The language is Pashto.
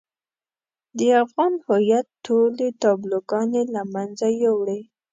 د افغان هويت ټولې تابلوګانې له منځه يوړې.